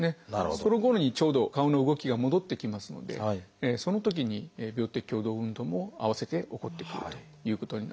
そのころにちょうど顔の動きが戻ってきますのでそのときに病的共同運動も併せて起こってくるということになります。